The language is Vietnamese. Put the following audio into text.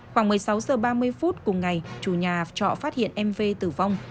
khoảng một mươi sáu h ba mươi phút cùng ngày chủ nhà trọ phát hiện em v tử vong